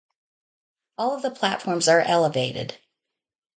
All of the platforms are elevated.